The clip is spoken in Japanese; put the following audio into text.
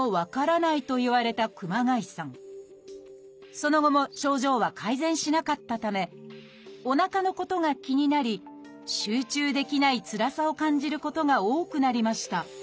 その後も症状は改善しなかったためおなかのことが気になり集中できないつらさを感じることが多くなりました